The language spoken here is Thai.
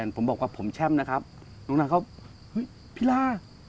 ป็อร์ให้ผมช่ำนะครับ